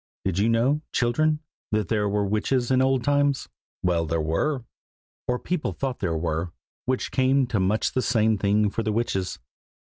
Did you know, children, that there were witches in old times? well, there were, or people thought there were, which came to much the same thing for the witches.